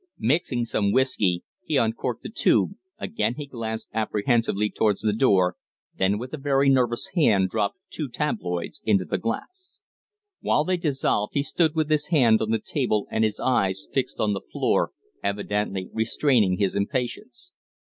Mixing some whiskey, he uncorked the tube, again he glanced apprehensively towards the door, then with a very nervous hand dropped two tabloids into the glass. While they dissolved he stood with his hand on the table and his eyes fixed on the floor, evidently restraining his impatience.